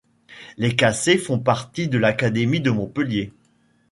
Les Cassés font partie de l'académie de Montpellier.